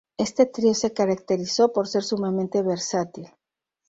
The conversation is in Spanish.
Este trío se caracterizó por ser sumamente versátil.